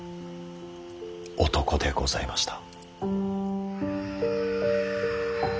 男でございました。